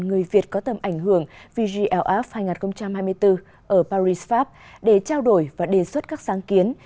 người việt có tầm ảnh hưởng vglf hai nghìn hai mươi bốn ở paris pháp để trao đổi và đề xuất các sáng kiến